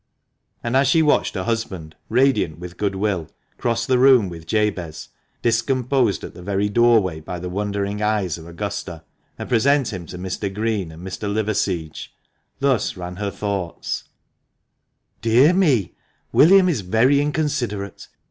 And as she watched her husband, radiant with goodwill, cross the room with Jabez (discomposed at the very doorway by THB MANCHESTER MAN. 3°3 the wondering eyes of Augusta), and present him to Mr. Green and Mr. Liverseege, thus ran her thoughts :—" Dear me ! William is very inconsiderate